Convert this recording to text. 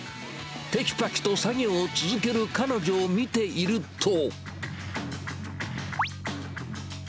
てきぱきと作業を続ける彼女を見ていると。